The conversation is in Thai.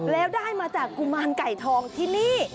แล้วได้มาจากกุมารไก่ทองที่นี่